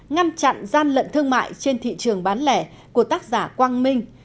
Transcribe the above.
ngăn chặn gian lận thương mại trên thị trường bán lẻ của tác giả quang minh